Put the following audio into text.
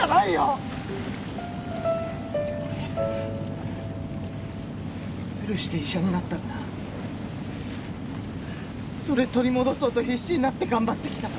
俺ずるして医者になったからそれ取り戻そうと必死になって頑張ってきた